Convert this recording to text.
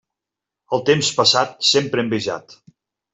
El temps passat, sempre envejat.